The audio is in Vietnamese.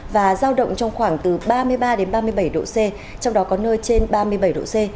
và giao động trong khoảng từ ba mươi ba ba mươi bảy độ c trong đó có nơi trên ba mươi bảy độ c